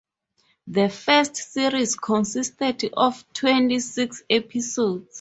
The first series consisted of twenty-six episodes.